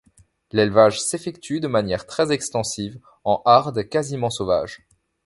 L'élevage s'effectue de manière très extensive, en hardes quasiment sauvages.